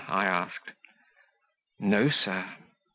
I asked. "No, sir."